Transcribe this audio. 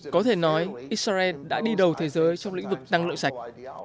có thể nói israel đã đi đầu thế giới trong lĩnh vực năng lượng sạch